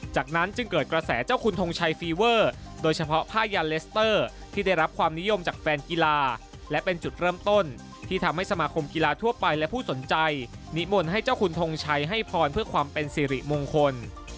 จากนั้นจึงเกิดกระแสเจ้าคุณทงชัยฟีเวอร์โดยเฉพาะผ้ายาเลสเตอร์ที่ได้รับความนิยมจากแฟนกีฬาและเป็นจุดเริ่มต้นที่ทำให้สมาคมกีฬาทั่วไปและผู้สนใจนิมนต์ให้เจ้าคุณทงชัยให้พรเพื่อความเป็นสิริมงคล